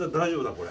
これ。